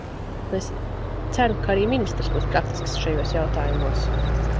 Un es ceru, ka arī ministrs būs praktisks šajos jautājumos.